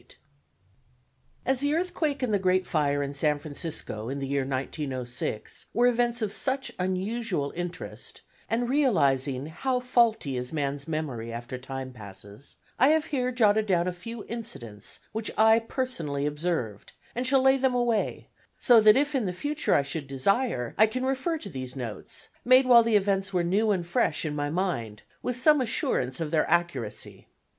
Personal Recollections During the Eventful Days of April, 1906 As the earthquake and the great fire in San Francisco in the year 1906 were events of such unusual interest, and realizing how faulty is man's memory after time passes, I have here jotted down a few incidents which I personally observed, and shall lay them away, so that if in the future I should desire I can refer to these notes, made while the events were new and fresh in my mind, with some assurance of their accuracy.